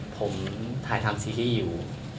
ผมถ่ายทำซีรีส์อยู่